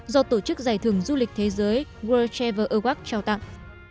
do tổ chức giải thưởng du lịch thế giới world travel award trao tặng